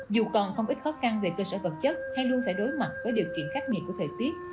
dù còn không ít khó khăn về cơ sở vật chất hay luôn phải đối mặt với điều kiện khắc nghiệt của thời tiết